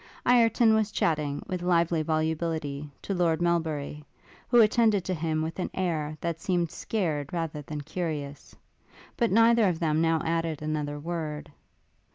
Ireton was chatting, with lively volubility, to Lord Melbury, who attended to him with an air that seemed scared rather than curious; but neither of them now added another word.